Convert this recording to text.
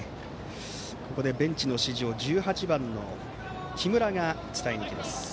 ここでベンチの指示を１８番の木村が伝えにいきます。